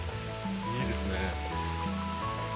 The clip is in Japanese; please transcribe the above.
いいですね。